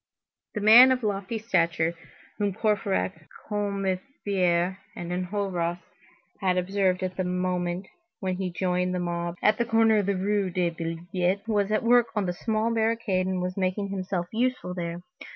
The man of lofty stature whom Courfeyrac, Combeferre, and Enjolras had observed at the moment when he joined the mob at the corner of the Rue des Billettes, was at work on the smaller barricade and was making himself useful there.